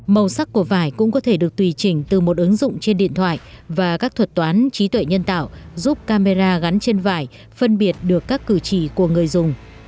màu sắc của vải cũng có thể được tùy chỉnh từ một ứng dụng trên điện thoại và các thuật toán trí tuệ nhân tạo giúp camera gắn trên vải phân biệt được các cử chỉ của người dùng